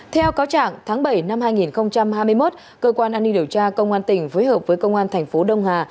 theo cáo trạng tháng bảy năm hai nghìn hai mươi một cơ quan an ninh điều tra công an tỉnh phối hợp với công an thành phố đông hà